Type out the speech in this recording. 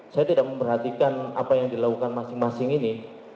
saya tidak memperhatikan apa yang dilakukan masing masing ini